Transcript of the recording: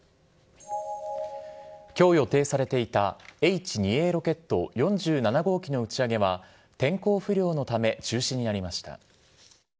きょう予定されていたＨ２Ａロケット４７号機の打ち上げは天候不良のため中止になりました。